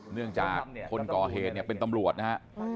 เนื่องจากคนก่อเหตุเนี่ยเป็นตำรวจนะฮะ